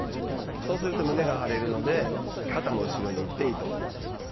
そうすると、胸が張れるので肩も後ろにいっていいと思います。